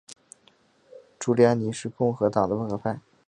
朱利安尼是共和党的温和派。